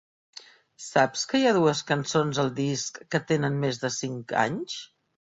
Saps que hi ha dues cançons al disc que tenen més de cinc anys?